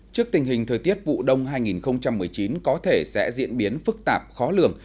trước tình hình thời tiết vụ đông hai nghìn một mươi chín có thể sẽ diễn biến phức tạp khó lường